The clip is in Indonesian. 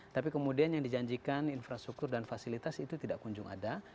tapi kemudian yang dijanjikan infrastruktur dan fasilitas itu tidak kunjung ada